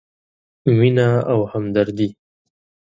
مینه او همدردي: